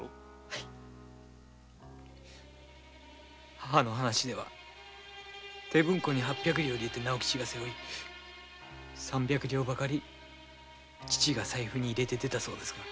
はい母の話では手文庫に八百両入れて直吉が背負い三百両ばかり父が財布に入れて出たそうですが。